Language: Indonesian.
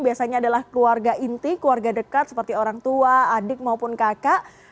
biasanya adalah keluarga inti keluarga dekat seperti orang tua adik maupun kakak